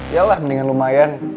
ya lah mendingan lumayan